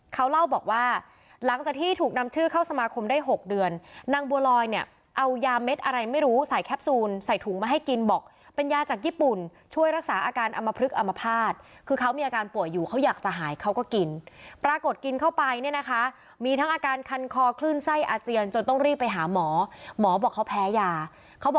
เขาเล่าบอกว่าหลังจากที่ถูกนำชื่อเข้าสมาคมได้๖เดือนนางบัวลอยเนี่ยเอายาเม็ดอะไรไม่รู้ใส่แคปซูลใส่ถุงมาให้กินบอกเป็นยาจากญี่ปุ่นช่วยรักษาอาการอำมพลึกอมภาษณ์คือเขามีอาการป่วยอยู่เขาอยากจะหายเขาก็กินปรากฏกินเข้าไปเนี่ยนะคะมีทั้งอาการคันคอคลื่นไส้อาเจียนจนต้องรีบไปหาหมอหมอบอกเขาแพ้ยาเขาบ